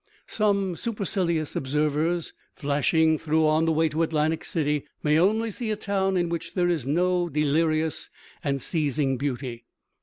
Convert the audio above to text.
Some supercilious observers, flashing through on the way to Atlantic City, may only see a town in which there is no delirious and seizing beauty.